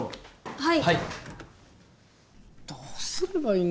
はい。